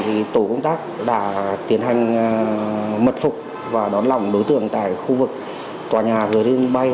thì tổ công tác đã tiến hành mật phục và đón lỏng đối tượng tại khu vực tòa nhà gửi đơn bay